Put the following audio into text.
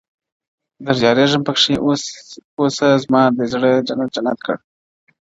در جارېږم پکښي اوسه زما دي زړه جنت جنت کړ,